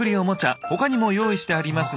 他にも用意してありますが。